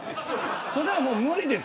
それは無理です。